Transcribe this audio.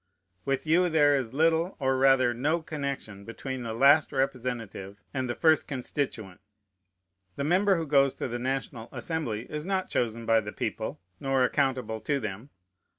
With you there is little, or rather no, connection between the last representative and the first constituent. The member who goes to the National Assembly is not chosen by the people, nor accountable to them.